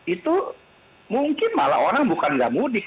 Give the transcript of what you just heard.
itu mungkin malah orang bukan nggak mudik